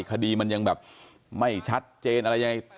คดีมันยังแบบไม่ชัดเจนอะไรยังไง